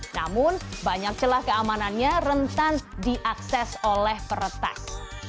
namun banyak celah keamanannya rentan diakses oleh peretas